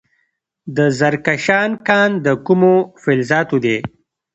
د زرکشان کان د کومو فلزاتو دی؟